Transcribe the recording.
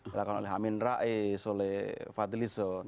bilangkan oleh hamid ra'i soleh fadli soe